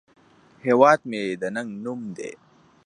هیواد مې د ننگ نوم دی